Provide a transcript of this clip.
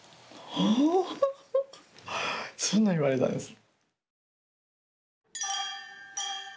はぁそんなん言われたんです。